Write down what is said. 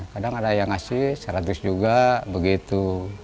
kadang ada yang ngasih seratus juga begitu